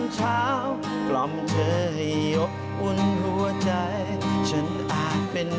จริงก็คือคิดถึงนั่นเอง